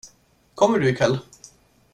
Kommer du ikväll?